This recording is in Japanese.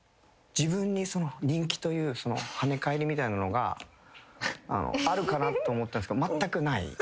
自分に人気というその跳ね返りみたいなのがあるかなと思ったんですけど。